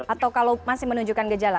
atau kalau masih menunjukkan gejala